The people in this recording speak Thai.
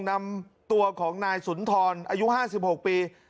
นำตัวของนายสุนทรอายุ๕๖ปี